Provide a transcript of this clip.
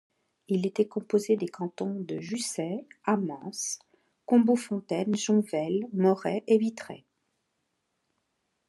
Il était composé des cantons de Jussey, Amance, Combaufontaine, Jonvelle, Morey et Vitrey.